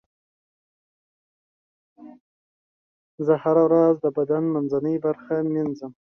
زه هره ورځ د بدن منځنۍ برخه مینځم.